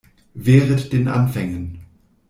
Wehret den Anfängen.